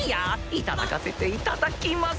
いただかせていただきます。